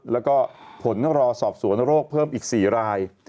แล้วก็ผลรอสอบสวนโรคเพิ่มอีก๔ราย